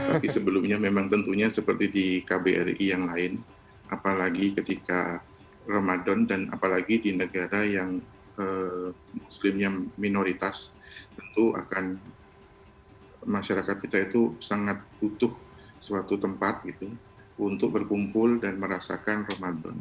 tapi sebelumnya memang tentunya seperti di kbri yang lain apalagi ketika ramadan dan apalagi di negara yang muslimnya minoritas tentu akan masyarakat kita itu sangat butuh suatu tempat untuk berkumpul dan merasakan ramadan